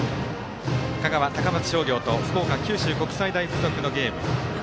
香川、高松商業と福岡、九州国際大付属のゲーム。